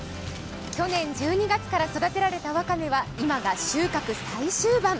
去年１２月から育てられたわかめは今が収穫最終盤。